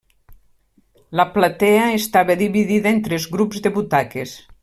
La platea estava dividida en tres grups de butaques.